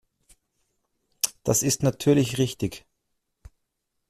Das ist natürlich richtig.